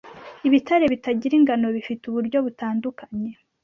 Ibitare bitagira ingano bifite uburyo butandukanye